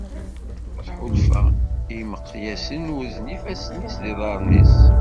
Tḥulfa i yimeqyasen urzen ifassen-is d yiḍarren-is.